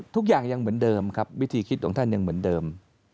ทุกอย่างยังเหมือนเดิมครับวิธีคิดของท่านยังเหมือนเดิม